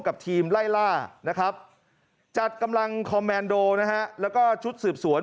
กับทีมไล่ล่านะครับจัดกำลังคอมแมนโดนะฮะแล้วก็ชุดสืบสวน